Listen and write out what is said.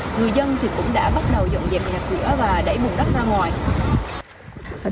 người dân thì cũng đã bắt đầu dọn dẹp nhà cửa và đẩy bùng đất ra ngoài